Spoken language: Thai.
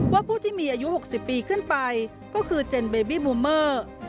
ผู้ที่มีอายุ๖๐ปีขึ้นไปก็คือเจนเบบี้มูเมอร์